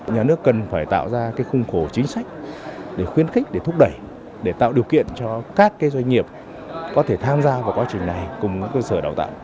nhà nước cần phải tạo ra khung khổ chính sách để khuyến khích để thúc đẩy để tạo điều kiện cho các doanh nghiệp có thể tham gia vào quá trình này cùng các cơ sở đào tạo